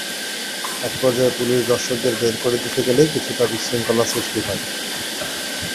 একপর্যায়ে পুলিশ দর্শকদের বের করে দিতে গেলে কিছুটা বিশৃঙ্খলার সৃষ্টি হয়।